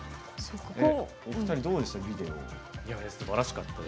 お二人、どうでした？